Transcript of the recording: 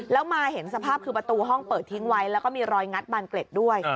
แล้วมาเห็นสภาพคือประตูห้องเปิดทิ้งไว้แล้วก็มีรอยงัดบานเกล็ดด้วย